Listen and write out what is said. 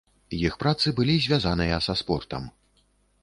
Іх працы былі звязаныя са спортам.